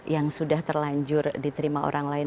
yang sudah terlanjur diterima orang lain